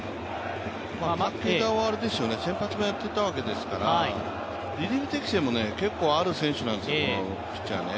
武田は先発もやっていたわけですからリリーフ適性も結構ある選手なんですよ、このピッチャーね。